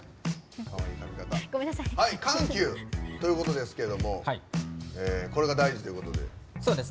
「緩急」ということですけどもこれが大事ということで。